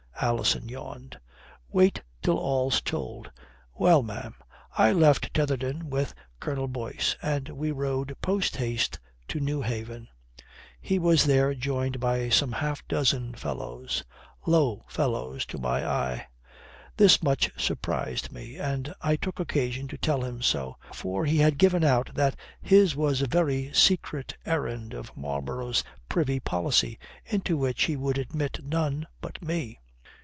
Alison yawned. "Wait till all's told. Well, ma'am, I left Tetherdown with Colonel Boyce, and we rode posthaste to Newhaven. He was there joined by some half dozen fellows, low fellows to my eye. This much surprised me, and I took occasion to tell him so, for he had given out that his was a very secret errand of Marlborough's privy policy, into which he would admit none but me.